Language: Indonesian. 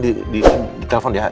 di jalan di telfon di elsa nya ya